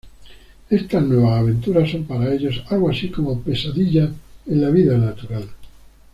Éstas nuevas aventuras, son para ellos, algo así como pesadillas en la "vida natural".